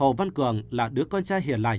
hồ văn cường là đứa con trai hiền lành